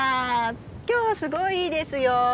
今日はすごいいいですよ。